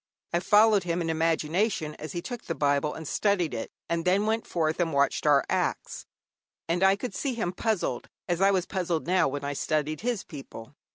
I followed him in imagination as he took the Bible and studied it, and then went forth and watched our acts, and I could see him puzzled, as I was now puzzled when I studied his people.